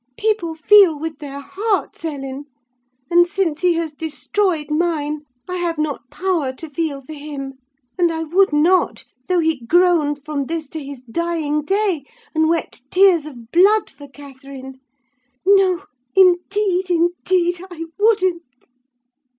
People feel with their hearts, Ellen: and since he has destroyed mine, I have not power to feel for him: and I would not, though he groaned from this to his dying day, and wept tears of blood for Catherine! No, indeed, indeed, I wouldn't!"